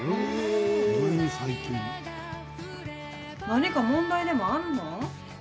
何か問題でもあるの？